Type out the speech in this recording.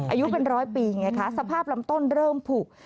อายุเป็น๑๐๐ปีสภาพลำต้นเริ่มผุก